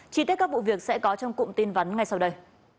chi tiết các vụ việc sẽ có trong cụm tin vắn ngay sau đây